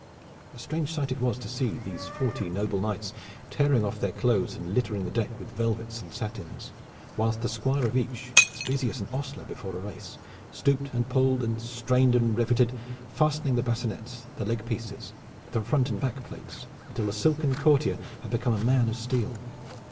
A strange sight it was to see these forty nobles tearing off their clothes and littering the deck with velvets and satins, whilst the squire of each, as busy as an ostler before a race, stooped and pulled and strained and riveted, fastening the bassinets, the legpieces, the front and the back plates, until the silken courtier had become the man of steel.